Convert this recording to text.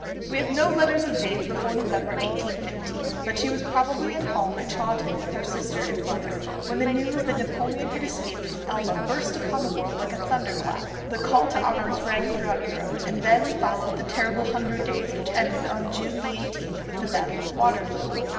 We have no letters of Jane's before November 1815; but she was probably at home at Chawton with her sister and mother, when the news that Napoleon had escaped from Elba burst upon the world like a thunder clap! The call to arms rang throughout Europe, and then followed the terrible Hundred Days which ended on June the eighteenth with the Battle of Waterloo.